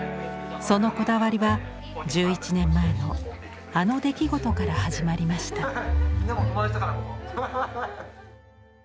そのこだわりは１１年前のあの出来事から始まりました。